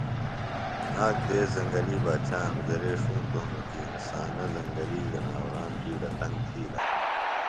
آک دیس زنگلی باچا امزرے ݜُونتوۡ ہنوۡ کیۡ انسانہ زنگلی زناوران بیڈہ تنگ تِھیلہ ہِنہ